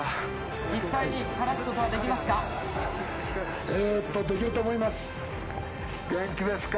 実際に話すことはできますか？